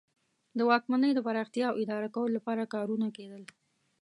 د واکمنۍ د پراختیا او اداره کولو لپاره کارونه کیدل.